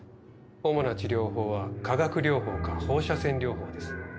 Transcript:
主な治療法は化学療法か放射線療法です。